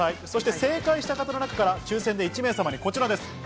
正解した方の中から抽選で１名様にこちらです。